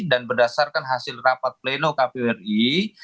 dan berdasarkan hasil rapat pleno kpu ri